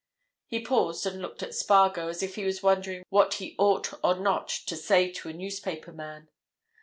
He paused and looked at Spargo as if he was wondering what he ought or not to say to a newspaper man.